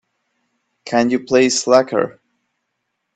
Can you play Slacker?